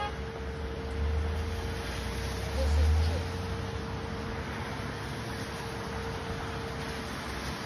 Niġisitchi.